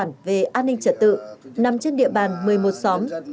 công an về an ninh trật tự nằm trên địa bàn một mươi một xóm